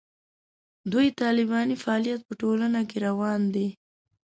دوی طالباني فعالیت په ټولنه کې روان دی.